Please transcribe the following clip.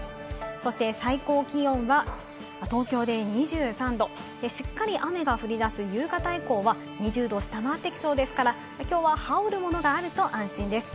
そして最高気温は東京で２３度、しっかり雨が降り出す夕方以降は２０度を下回ってきそうですから、きょうは羽織るものがあると安心です。